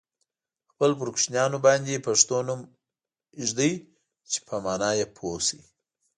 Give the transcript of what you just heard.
خپل پر کوچنیانو باندي پښتو نوم ویږدوی چې په مانا یې پوه سی.